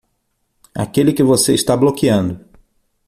Aquele que você está bloqueando.